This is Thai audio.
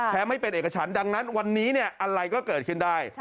ไม่เป็นเอกฉันดังนั้นวันนี้อะไรก็เกิดขึ้นได้